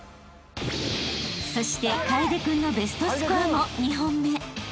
［そして楓君のベストスコアも２本目］